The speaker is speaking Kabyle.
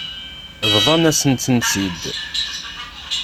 Bḍant-asent-tt-id.